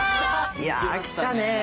いや来たね。